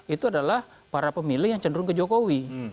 itu adalah para pemilih yang cenderung ke jokowi